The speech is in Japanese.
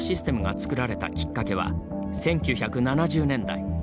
作られたきっかけは１９７０年代。